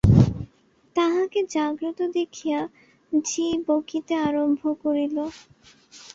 তাহাকে জাগ্রত দেখিয়া ঝি বকিতে আরম্ভ করিল।